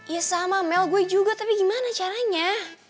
ya sama mel gue juga tapi gimana caranya